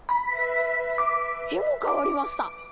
絵も変わりました！